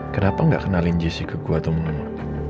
kenapa gak kenalin jc ke gue atau mau